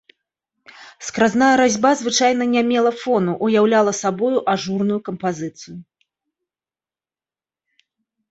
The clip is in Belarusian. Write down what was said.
Скразная разьба звычайна не мела фону, уяўляла сабою ажурную кампазіцыю.